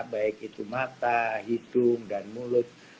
baik itu mata hidung dan mulut